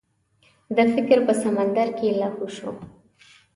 د فکر په سمندر کې لاهو شو.